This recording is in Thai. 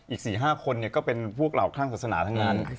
อีก๔๕คนก็เป็นพวกเหล่าคลั่งศาสนาทั้งนั้น